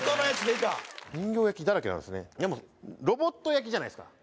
でもロボット焼きじゃないですか。